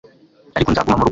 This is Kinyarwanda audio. Ariko nzaguma mu rugo